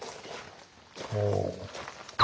ほう。